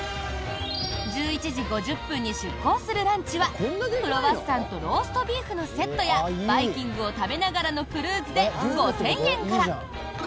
１１時５０分に出航するランチはクロワッサンとローストビーフのセットやバイキングを食べながらのクルーズで５０００円から。